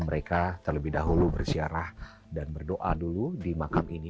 mereka terlebih dahulu bersiarah dan berdoa dulu di makam ini